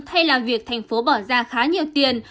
thay là việc thành phố bỏ ra khá nhiều tiền